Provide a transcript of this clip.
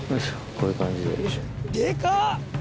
こういう感じで。